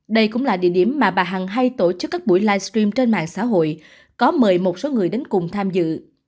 đây cũng là địa điểm mà bà hằng hay tổ chức các buổi livestream trên mạng xã hội có mời một số người đến cùng tham dự